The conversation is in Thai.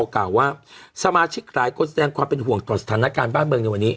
กล่าวว่าสมาชิกหลายคนแสดงความเป็นห่วงต่อสถานการณ์บ้านเมืองในวันนี้